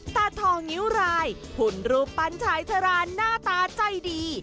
ตาทองนิ้วรายหุ่นรูปปั้นชายชะลานหน้าตาใจดี